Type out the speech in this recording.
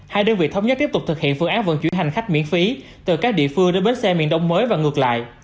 hai đơn vị thống nhất tiếp tục thực hiện phương án vận chuyển hành khách miễn phí từ các địa phương đến bến xe miền đông mới và ngược lại